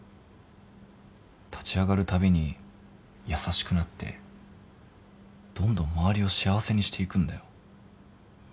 立ち上がるたびに優しくなってどんどん周りを幸せにしていくんだよ。